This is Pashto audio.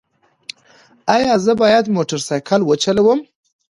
ایا زه باید موټر سایکل وچلوم؟